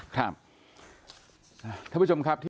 ครับ